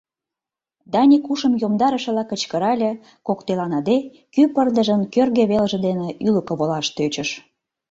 Даник ушым йомдарышыла кычкырале, коктеланыде, кӱ пырдыжын кӧргӧ велже дене ӱлыкӧ волаш тӧчыш.